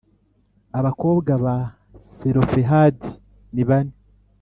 abakobwa ba Selofehadi ni bane